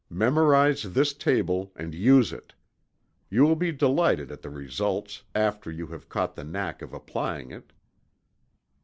Memorize this table and use it. You will be delighted at the results, after you have caught the knack of applying it.